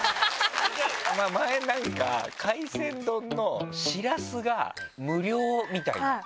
前なんか海鮮丼のシラスが無料みたいな。